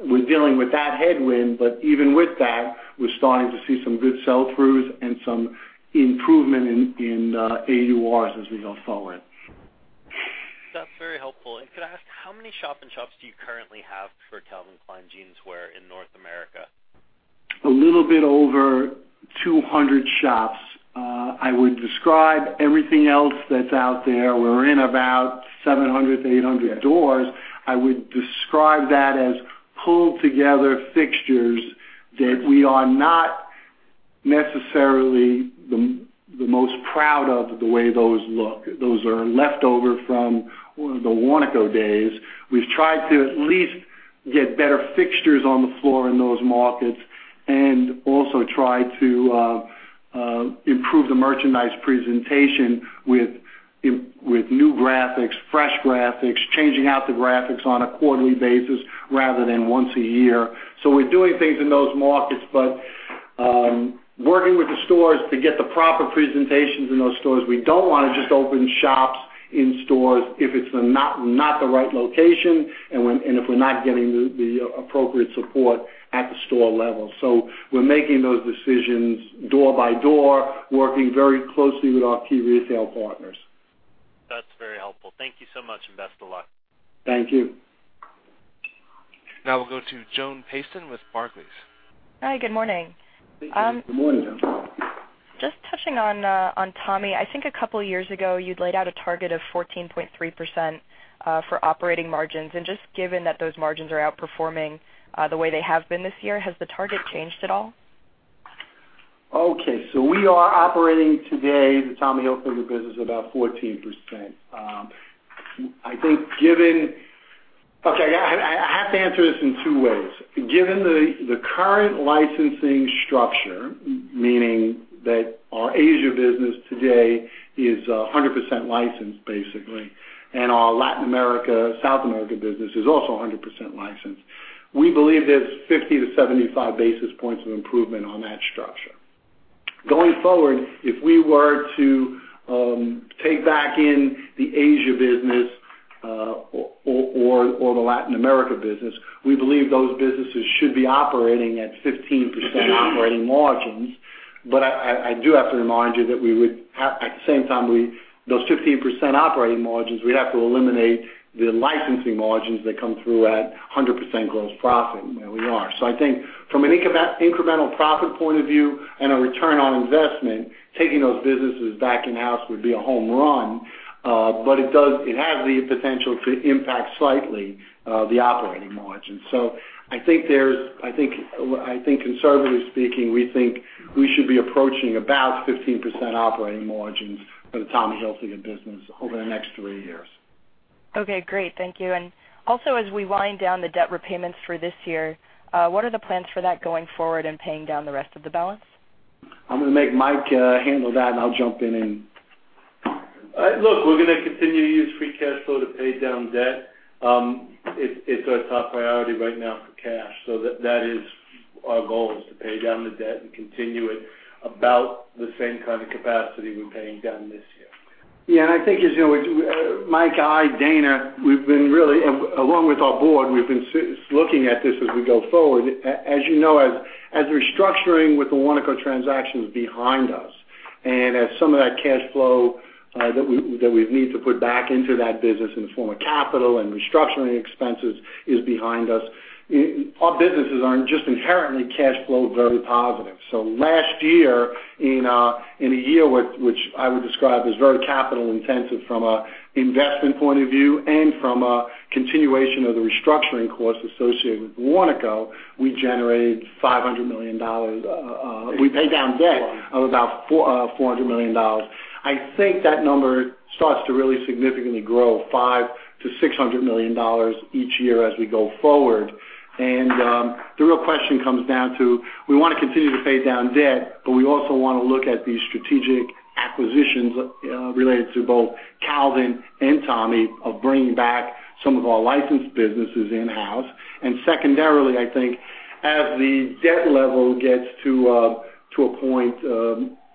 We're dealing with that headwind, even with that, we're starting to see some good sell-throughs and some improvement in AURs as we go forward. That's very helpful. Could I ask, how many shop-in-shops do you currently have for Calvin Klein Jeans in North America? A little bit over 200 shops. I would describe everything else that's out there, we're in about 700 to 800 doors. I would describe that as pulled together fixtures that we are not necessarily the most proud of the way those look. Those are leftover from the Warnaco days. We've tried to at least get better fixtures on the floor in those markets, also try to improve the merchandise presentation with new graphics, fresh graphics, changing out the graphics on a quarterly basis rather than once a year. We're doing things in those markets, working with the stores to get the proper presentations in those stores. We don't want to just open shops in stores if it's not the right location and if we're not getting the appropriate support at the store level. We're making those decisions door by door, working very closely with our key retail partners. That's very helpful. Thank you so much, and best of luck. Thank you. Now we'll go to Joan Payson with Barclays. Hi, good morning. Good morning, Joan. Just touching on Tommy. I think a couple of years ago, you'd laid out a target of 14.3% for operating margins. Just given that those margins are outperforming the way they have been this year, has the target changed at all? Okay. We are operating today, the Tommy Hilfiger business, about 14%. I have to answer this in two ways. Given the current licensing structure, meaning that our Asia business today is 100% licensed, basically. Our Latin America, South America business is also 100% licensed. We believe there's 50 to 75 basis points of improvement on that structure. Going forward, if we were to take back in the Asia business or the Latin America business, we believe those businesses should be operating at 15% operating margins. I do have to remind you that at the same time, those 15% operating margins, we'd have to eliminate the licensing margins that come through at 100% gross profit where we are. I think from an incremental profit point of view and a return on investment, taking those businesses back in house would be a home run. It has the potential to impact slightly the operating margin. I think conservatively speaking, we think we should be approaching about 15% operating margins for the Tommy Hilfiger business over the next three years. Okay, great. Thank you. Also, as we wind down the debt repayments for this year, what are the plans for that going forward and paying down the rest of the balance? I'm going to make Mike handle that, I'll jump in. Look, we're going to continue to use free cash flow to pay down debt. It's our top priority right now for cash. That is our goal, is to pay down the debt and continue at about the same kind of capacity we're paying down this year. I think as you know, Mike, I, Dana, along with our board, we've been looking at this as we go forward. As you know, restructuring with the Warnaco transaction is behind us, as some of that cash flow that we've needed to put back into that business in the form of capital and restructuring expenses is behind us. Our businesses are just inherently cash flow very positive. Last year, in a year which I would describe as very capital intensive from an investment point of view and from a continuation of the restructuring costs associated with Warnaco, we generated $500 million. We paid down debt of about $400 million. I think that number starts to really significantly grow $500 million-$600 million each year as we go forward. The real question comes down to, we want to continue to pay down debt, but we also want to look at these strategic acquisitions, related to both Calvin and Tommy, of bringing back some of our licensed businesses in-house. Secondarily, I think, as the debt level gets to a point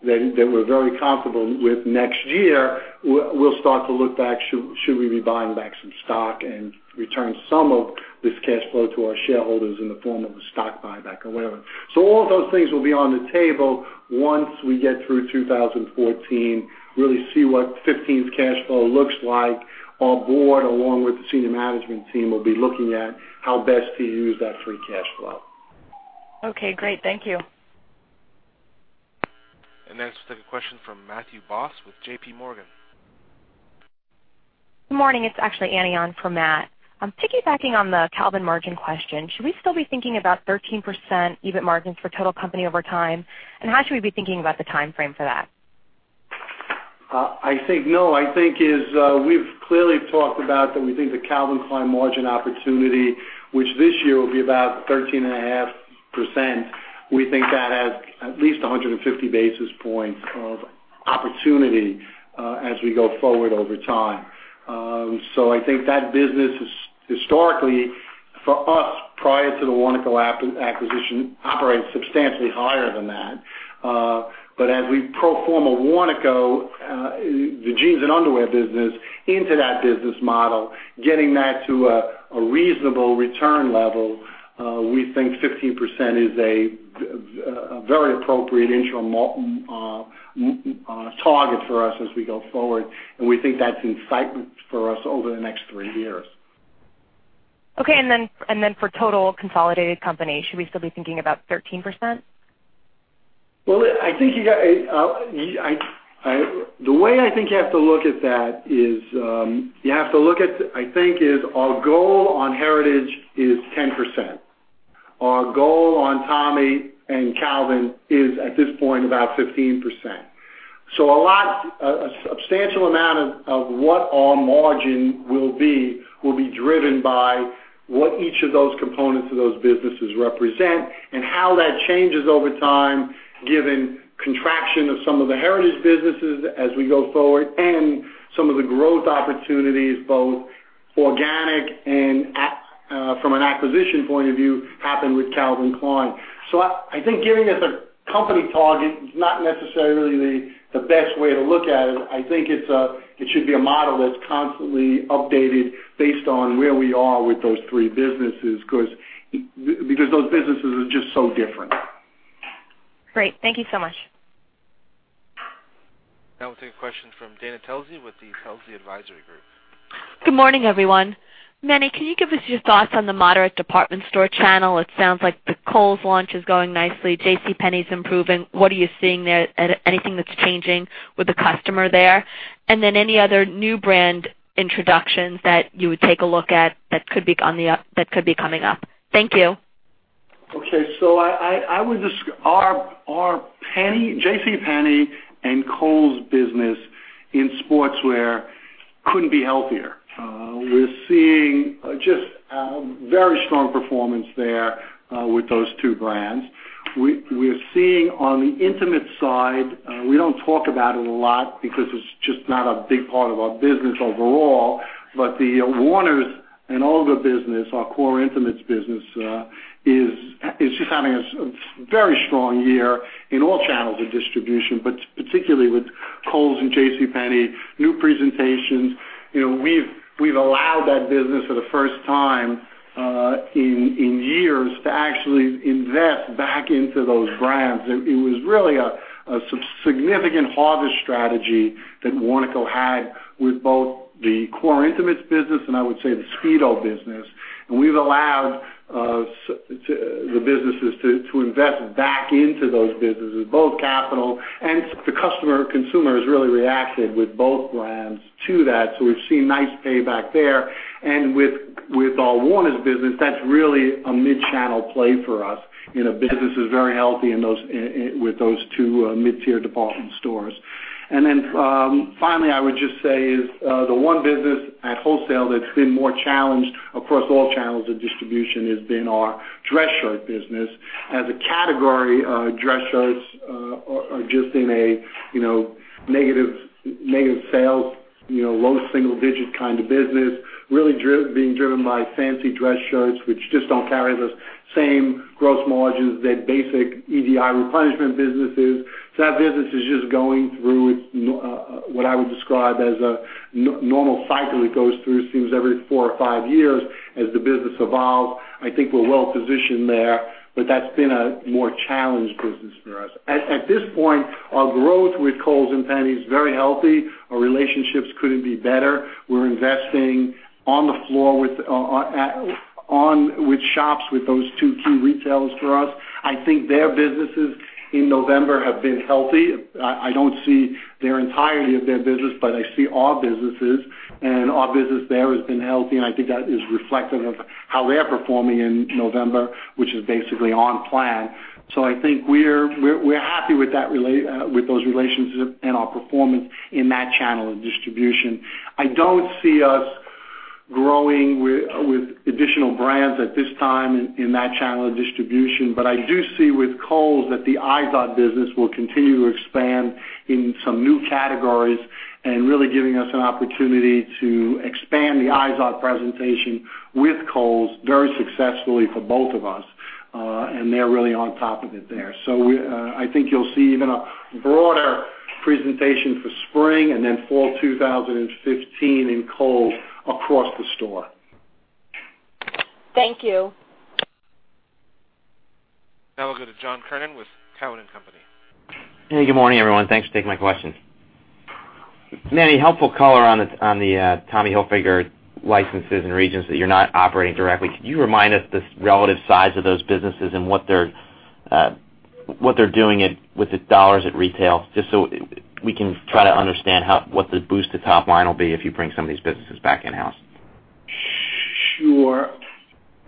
that we're very comfortable with next year, we'll start to look back. Should we be buying back some stock and return some of this cash flow to our shareholders in the form of a stock buyback or whatever? All of those things will be on the table once we get through 2014, really see what 2015's cash flow looks like. Our board, along with the senior management team, will be looking at how best to use that free cash flow. Okay, great. Thank you. Next, we have a question from Matthew Boss with JPMorgan. Good morning. It's actually Annie on for Matt. Piggybacking on the Calvin margin question, should we still be thinking about 13% EBIT margins for total company over time? How should we be thinking about the timeframe for that? I think no. We've clearly talked about that we think the Calvin Klein margin opportunity, which this year will be about 13.5%, we think that has at least 150 basis points of opportunity as we go forward over time. I think that business historically for us, prior to the Warnaco acquisition, operates substantially higher than that. As we pro forma Warnaco, the jeans and underwear business into that business model, getting that to a reasonable return level, we think 15% is a very appropriate interim target for us as we go forward. We think that's excitement for us over the next three years. Okay. For total consolidated company, should we still be thinking about 13%? Well, the way I think you have to look at that is, our goal on Heritage is 10%. Our goal on Tommy and Calvin is, at this point, about 15%. A substantial amount of what our margin will be, will be driven by what each of those components of those businesses represent and how that changes over time, given contraction of some of the Heritage businesses as we go forward and some of the growth opportunities, both organic and from an acquisition point of view, happen with Calvin Klein. I think giving us a company target is not necessarily the best way to look at it. I think it should be a model that's constantly updated based on where we are with those three businesses, because those businesses are just so different. Great. Thank you so much. Now we'll take a question from Dana Telsey with the Telsey Advisory Group. Good morning, everyone. Manny, can you give us your thoughts on the moderate department store channel? It sounds like the Kohl's launch is going nicely. JCPenney's improving. What are you seeing there? Anything that's changing with the customer there? Any other new brand introductions that you would take a look at that could be coming up? Thank you. Our JCPenney and Kohl's business in sportswear couldn't be healthier. We're seeing just very strong performance there with those two brands. We're seeing on the intimate side, we don't talk about it a lot because it's just not a big part of our business overall. The Warner's and Olga business, our core intimates business, is just having a very strong year in all channels of distribution, but particularly with Kohl's and JCPenney, new presentations. We've allowed that business for the first time in years to actually invest back into those brands. It was really a significant harvest strategy that Warnaco had with both the core intimates business and I would say the Speedo business. We've allowed the businesses to invest back into those businesses, both capital and the customer, consumer has really reacted with both brands to that. We've seen nice payback there. With our Warner's business, that's really a mid-channel play for us. Business is very healthy with those two mid-tier department stores. Finally, I would just say is the one business at wholesale that's been more challenged across all channels of distribution has been our dress shirt business. As a category, dress shirts are just in a negative sales, low single digit kind of business, really being driven by fancy dress shirts, which just don't carry those same gross margins that basic EDI replenishment businesses. That business is just going through what I would describe as a normal cycle it goes through it seems every four or five years as the business evolves. I think we're well positioned there, but that's been a more challenged business for us. At this point, our growth with Kohl's and JCPenney's very healthy. Our relationships couldn't be better. We're investing on the floor with shops with those two key retailers for us. I think their businesses in November have been healthy. I don't see their entirety of their business, but I see our businesses, and our business there has been healthy, and I think that is reflective of how they're performing in November, which is basically on plan. I think we're happy with those relationships and our performance in that channel of distribution. I don't see us growing with additional brands at this time in that channel of distribution. I do see with Kohl's that the Izod business will continue to expand in some new categories and really giving us an opportunity to expand the Izod presentation with Kohl's very successfully for both of us. They're really on top of it there. I think you'll see even a broader presentation for spring and fall 2015 in Kohl's across the store. Thank you. Now we'll go to John Kernan with Cowen and Company. Hey, good morning, everyone. Thanks for taking my question. Manny, helpful color on the Tommy Hilfiger licenses and regions that you're not operating directly. Could you remind us the relative size of those businesses and what they're doing with the $ at retail? Just so we can try to understand what the boost to top line will be if you bring some of these businesses back in-house. Sure.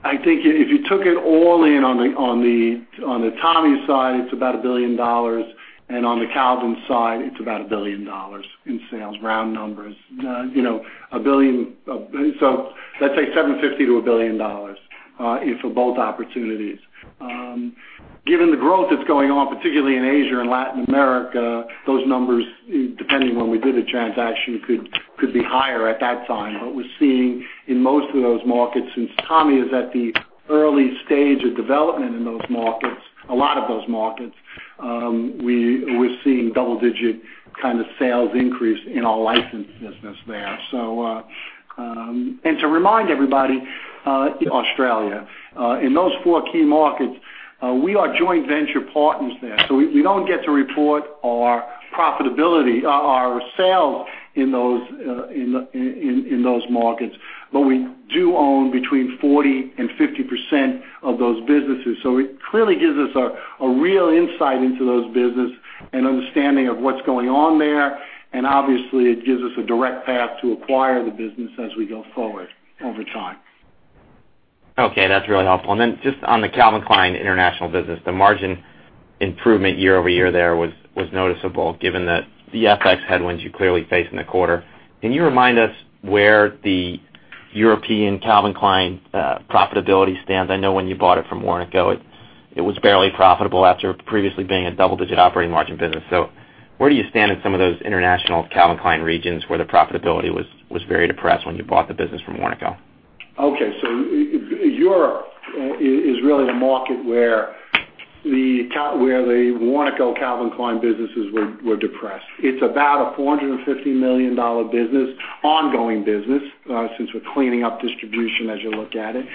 I think if you took it all in on the Tommy side, it's about $1 billion, and on the Calvin side, it's about $1 billion in sales, round numbers. Let's say $750 million-$1 billion for both opportunities. Given the growth that's going on, particularly in Asia and Latin America, those numbers, depending on when we did a transaction, could be higher at that time. We're seeing in most of those markets, since Tommy is at the early stage of development in those markets, a lot of those markets, we're seeing double-digit kind of sales increase in our licensed business there. To remind everybody, Australia. In those four key markets, we are joint venture partners there. We don't get to report our profitability, our sales in those markets. We do own between 40% and 50% of those businesses. It clearly gives us a real insight into those business and understanding of what's going on there, and obviously, it gives us a direct path to acquire the business as we go forward over time. Okay. That's really helpful. Just on the Calvin Klein international business, the margin improvement year-over-year there was noticeable given the FX headwinds you clearly face in the quarter. Can you remind us where the European Calvin Klein profitability stands? I know when you bought it from Warnaco, it was barely profitable after previously being a double-digit operating margin business. Where do you stand in some of those international Calvin Klein regions where the profitability was very depressed when you bought the business from Warnaco? Okay. Europe is really the market where the Warnaco Calvin Klein businesses were depressed. It's about a $450 million business, ongoing business, since we're cleaning up distribution as you look at it.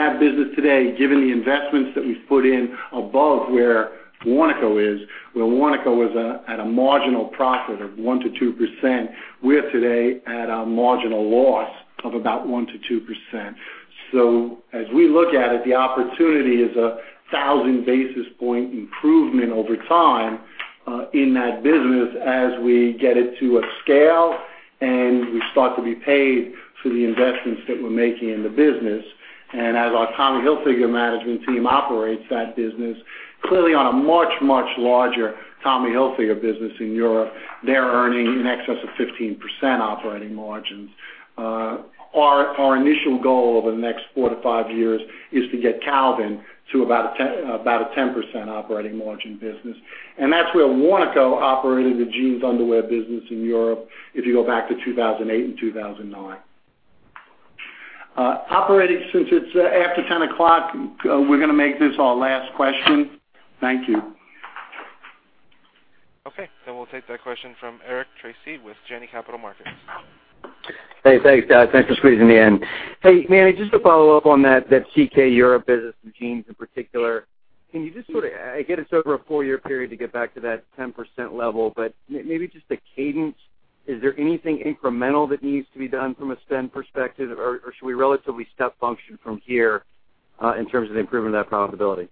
That business today, given the investments that we've put in above where Warnaco is, where Warnaco was at a marginal profit of 1% to 2%, we're today at a marginal loss of about 1% to 2%. As we look at it, the opportunity is a 1,000 basis point improvement over time in that business as we get it to a scale, and we start to be paid for the investments that we're making in the business. As our Tommy Hilfiger management team operates that business, clearly on a much, much larger Tommy Hilfiger business in Europe, they're earning in excess of 15% operating margins. Our initial goal over the next four to five years is to get Calvin to about a 10% operating margin business. That's where Warnaco operated the jeans underwear business in Europe if you go back to 2008 and 2009. Operating since it's after 10 o'clock, we're going to make this our last question. Thank you. Okay. We'll take that question from Eric Tracy with Janney Montgomery Scott. Hey, thanks, guys. Thanks for squeezing me in. Hey, Manny, just to follow up on that CK Europe business with jeans in particular. I get it's over a four-year period to get back to that 10% level, but maybe just the cadence. Is there anything incremental that needs to be done from a spend perspective, or should we relatively step function from here in terms of the improvement of that profitability?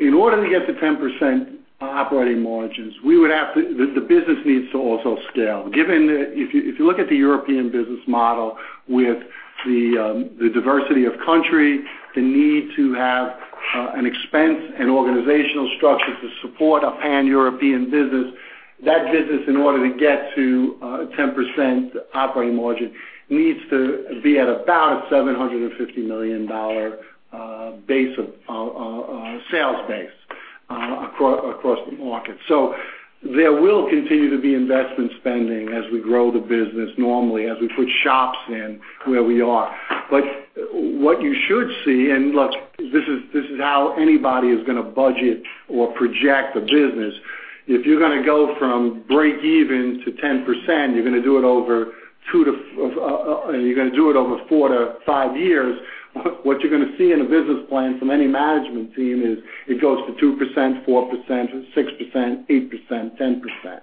In order to get to 10% operating margins, the business needs to also scale. If you look at the European business model with the diversity of country, the need to have an expense and organizational structure to support a pan-European business. That business, in order to get to 10% operating margin, needs to be at about a $750 million sales base across the market. There will continue to be investment spending as we grow the business normally, as we put shop-in-shops where we are. What you should see, and look, this is how anybody is going to budget or project a business. If you're going to go from breakeven to 10%, you're going to do it over four to five years. What you're going to see in a business plan from any management team is it goes to 2%, 4%, 6%, 8%, 10%.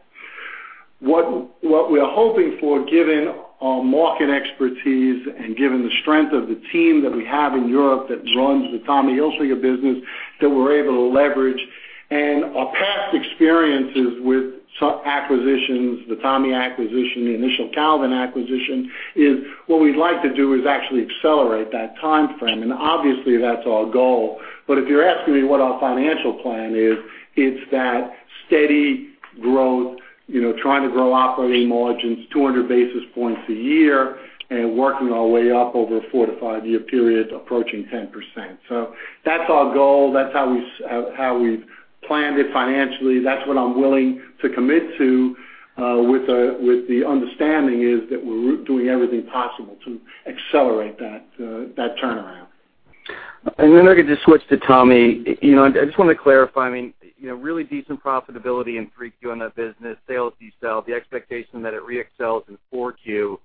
What we're hoping for, given our market expertise and given the strength of the team that we have in Europe that runs the Tommy Hilfiger business, that we're able to leverage, and our past experiences with some acquisitions, the Tommy acquisition, the initial Calvin acquisition, is what we'd like to do is actually accelerate that timeframe. Obviously, that's our goal. If you're asking me what our financial plan is, it's that steady growth, trying to grow operating margins 200 basis points a year and working our way up over a four to five-year period, approaching 10%. That's our goal. That's how we've planned it financially. That's what I'm willing to commit to with the understanding is that we're doing everything possible to accelerate that turnaround. If I could just switch to Tommy. I just wanted to clarify, really decent profitability in 3Q in that business. Sales decel, the expectation that it re-accels in 4Q.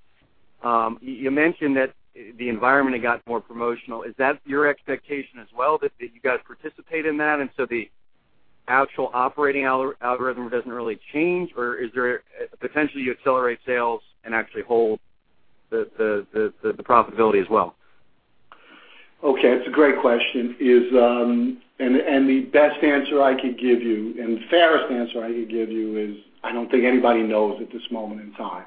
You mentioned that the environment had gotten more promotional. Is that your expectation as well, that you guys participate in that, the actual operating algorithm doesn't really change? Or is there potentially you accelerate sales and actually hold the profitability as well? Okay. It's a great question. The best answer I could give you, and fairest answer I could give you is, I don't think anybody knows at this moment in time.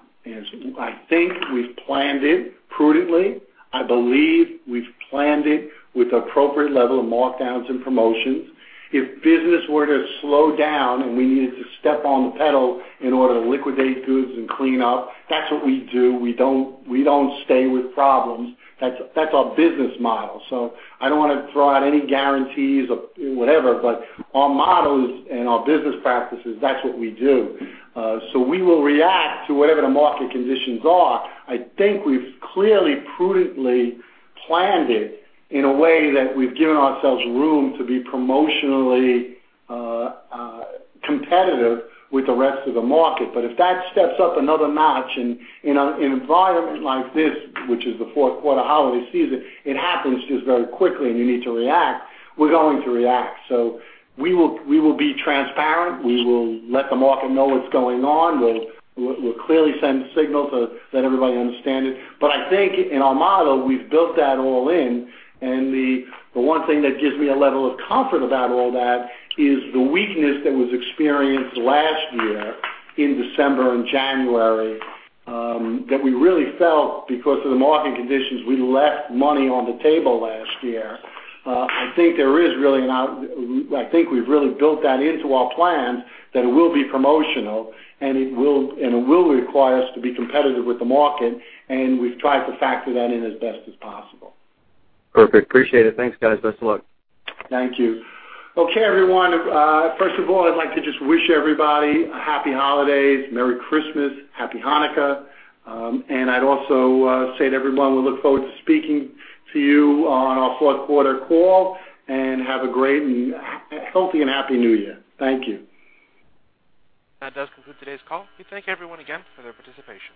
I think we've planned it prudently. I believe we've planned it with appropriate level of markdowns and promotions. If business were to slow down and we needed to step on the pedal in order to liquidate goods and clean up, that's what we do. We don't stay with problems. That's our business model. I don't want to throw out any guarantees of whatever, our models and our business practices, that's what we do. We will react to whatever the market conditions are. I think we've clearly, prudently planned it in a way that we've given ourselves room to be promotionally competitive with the rest of the market. If that steps up another notch in an environment like this, which is the fourth quarter holiday season, it happens just very quickly and you need to react, we're going to react. We will be transparent. We will let the market know what's going on. We'll clearly send signals so that everybody understand it. I think in our model, we've built that all in, and the one thing that gives me a level of comfort about all that is the weakness that was experienced last year in December and January, that we really felt because of the market conditions, we left money on the table last year. I think we've really built that into our plan, that it will be promotional, and it will require us to be competitive with the market, and we've tried to factor that in as best as possible. Perfect. Appreciate it. Thanks, guys. Best of luck. Thank you. Okay, everyone, first of all, I'd like to just wish everybody a happy holidays, merry Christmas, happy Hanukkah. I'd also say to everyone, we look forward to speaking to you on our fourth quarter call, and have a great and healthy and happy new year. Thank you. That does conclude today's call. We thank everyone again for their participation.